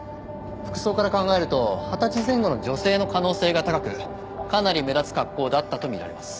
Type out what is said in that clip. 服装から考えると二十歳前後の女性の可能性が高くかなり目立つ格好だったとみられます。